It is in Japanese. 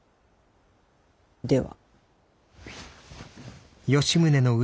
では。